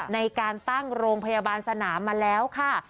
ในการตั้งโรงพยาบาลสนามมาแล้วค่ะ